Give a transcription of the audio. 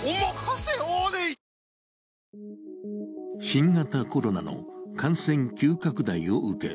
新型コロナの感染急拡大を受け